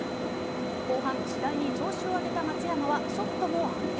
後半、次第に調子を上げた松山はショットも安定。